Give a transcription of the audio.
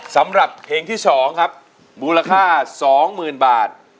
สำหรับเพลงที่๒ครับมูลค่า๒๐๐๐บาท